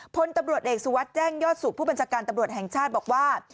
พลตำรวจเอกสุวัสดิ์แจ้งยอดสุขผู้บัญชาการตำรวจแห่งชาติบอกว่า